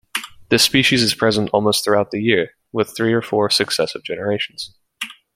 This species is present almost throughout the year, with three or four successive generations.